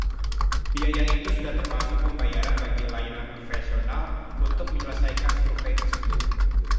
Biaya itu sudah termasuk pembayaran bagi layanan profesional untuk menyelesaikan survei tersebut.